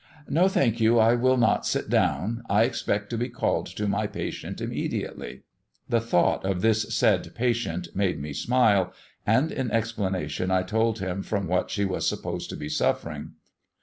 "No, thank you, I will not sit down; I expect to be called to my patient immediately." The thought of this said patient made me smile, and in explanation I told him from what she was supposed to be suffering.